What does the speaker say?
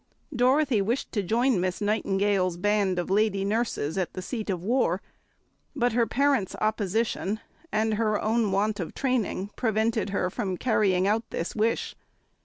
Dorothy wished to join Miss Nightingale's band of lady nurses at the seat of war, but her parents' opposition and her own want of training prevented her from carrying out this wish.